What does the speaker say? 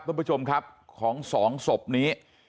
คุณผู้ชมครับของสองศพนี้